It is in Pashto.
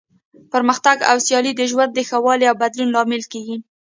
پرمختګ او سیالي د ژوند د ښه والي او بدلون لامل کیږي.